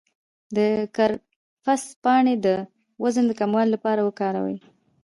د کرفس پاڼې د وزن د کمولو لپاره وکاروئ